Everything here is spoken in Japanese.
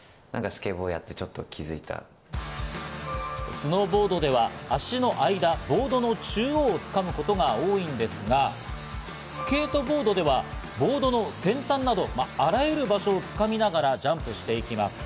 スノーボードでは足の間、ボードの中央を掴むことが多いんですが、スケートボードではボードの先端など、あらゆる場所を掴みながらジャンプしていきます。